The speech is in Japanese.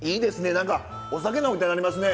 何かお酒飲みたなりますね